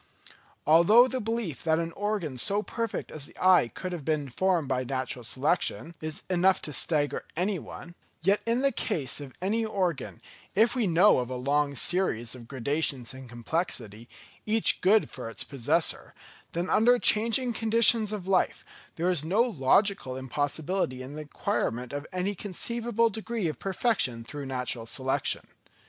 Although the belief that an organ so perfect as the eye could have been formed by natural selection, is enough to stagger any one; yet in the case of any organ, if we know of a long series of gradations in complexity, each good for its possessor, then under changing conditions of life, there is no logical impossibility in the acquirement of any conceivable degree of perfection through natural selection.